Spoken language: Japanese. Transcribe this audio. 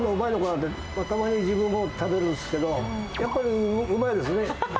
って、たまに自分も食べるんですけど、やっぱりうまいですね。